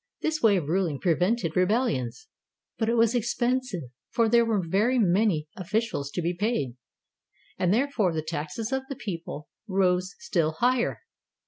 This way of ruling prevented rebel lions, but it was expensive, for there were very many officials to be paid, and therefore the taxes of the people 530 CONSTANTINE THE GREAT rose still higher.